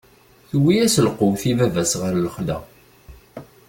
Tewwi-yas lqut i baba-s ɣer lexla.